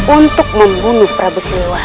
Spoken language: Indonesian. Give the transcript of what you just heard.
untuk membunuh prabu siluang